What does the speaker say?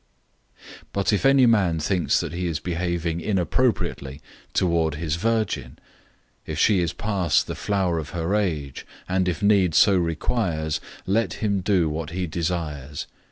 007:036 But if any man thinks that he is behaving inappropriately toward his virgin, if she is past the flower of her age, and if need so requires, let him do what he desires.